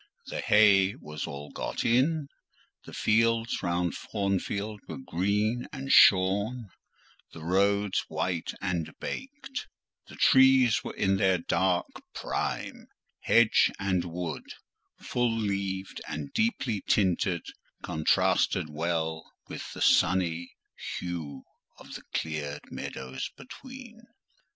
The hay was all got in; the fields round Thornfield were green and shorn; the roads white and baked; the trees were in their dark prime; hedge and wood, full leaved and deeply tinted, contrasted well with the sunny hue of the cleared meadows between.